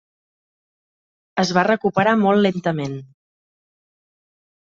Es va recuperar molt lentament.